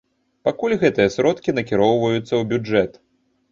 Пакуль гэтыя сродкі накіроўваюцца ў бюджэт.